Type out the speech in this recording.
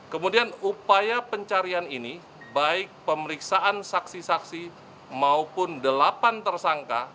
kemudian upaya pencarian ini baik pemeriksaan saksi saksi maupun delapan tersangka